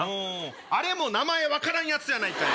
あれも名前分からんやつやないかい！